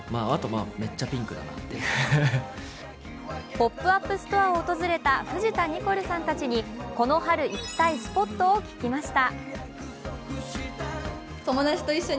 ポップアップストアを訪れた藤田ニコルさんたちに、この春行きたいスポットを聞きました。